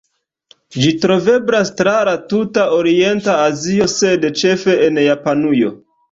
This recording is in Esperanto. Ĝi troveblas tra la tuta orienta Azio, sed ĉefe en Japanujo.